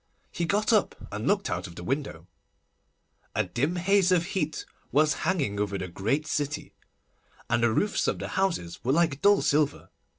He got up and looked out of the window. A dim haze of heat was hanging over the great city, and the roofs of the houses were like dull silver.